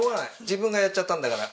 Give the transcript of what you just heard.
自分がやっちゃったんだから。